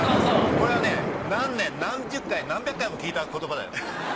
これはね何年何十回何百回も聞いた言葉だよ。